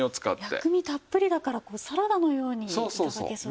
薬味たっぷりだからサラダのように頂けそうですね。